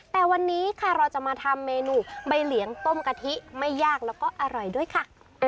แต่วันนี้ค่ะเราจะมาทำเมนูใบเหลียงต้มกะทิไม่ยากแล้วก็อร่อยด้วยค่ะ